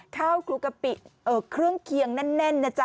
คลุกกะปิเครื่องเคียงแน่นนะจ๊